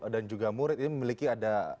dan juga murid ini memiliki ada